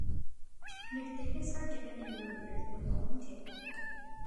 Their thicknesses are given in millimeters in the following table.